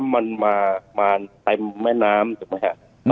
มันมาเต็มแม่น้ำถูกไหมฮะ